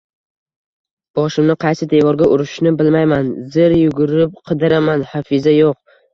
Boshimni qaysi devorga urishni bilmayman, zir yugurib qidiraman Hafiza yo`q